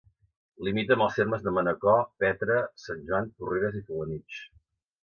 Limita amb els termes de Manacor, Petra, Sant Joan, Porreres i Felanitx.